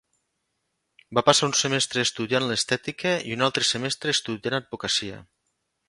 Va passar un semestre estudiant l'estètica i un altre semestre estudiant advocacia.